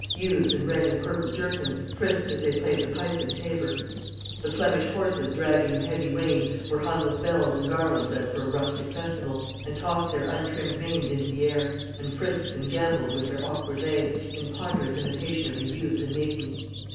Youths, in red and purple jerkins, frisked as they played the pipe and tabor. The Flemish horses dragging the heavy wain were hung with bells and garlands as for a rustic festival, and tossed their untrimmed manes into the air, and frisked and gamboled with their awkward legs, in ponderous imitation of the youths and maidens.